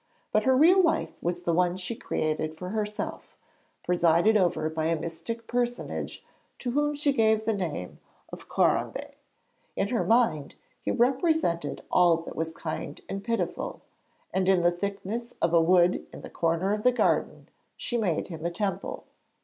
But her real life was the one she created for herself, presided over by a mystic personage to whom she gave the name of Corambé. In her mind, he represented all that was kind and pitiful, and in the thickness of a wood in the corner of the garden she made him a temple.